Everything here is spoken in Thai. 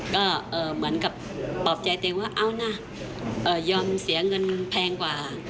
ก็เหมือนกับปลอบใจตัวเองว่าเอานะยอมเสียเงินแพงกว่า